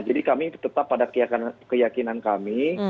jadi kami tetap pada keyakinan kami